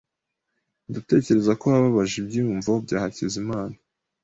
Ndatekereza ko wababaje ibyiyumvo bya Hakizimana .